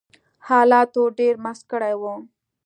حالاتو ډېر مست کړي وو